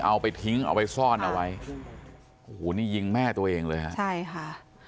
เอาไปทิ้งเอาไปซ่อนเอาไว้โอ้โหนี่ยิงแม่ตัวเองเลยฮะใช่ค่ะ